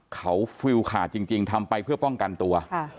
เขาฟิลขาดจริงทำไปเพื่อป้องกันตัว